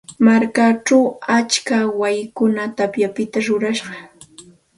Markachaw atska wayikunam tapyapita rurashqa.